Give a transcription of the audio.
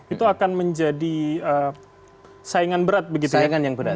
itu akan menjadi saingan berat begitu ya